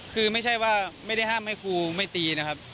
คือไม่ใช่ว่าไม่ได้ห้ามให้ครูไม่ตีนะครับ